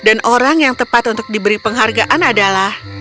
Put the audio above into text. dan orang yang tepat untuk diberi penghargaan adalah